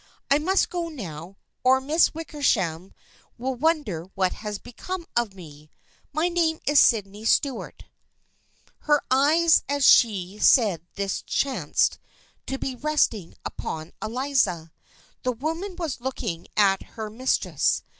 I must go now, or the Miss Wickershams will wonder what has become of me. My name is Sydney Stuart." Her eyes as she said this chanced to be resting upon Eliza. The woman was looking at her mis tress.